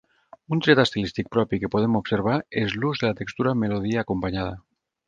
Un tret estilístic propi que podem observar és l’ús de la textura melodia acompanyada.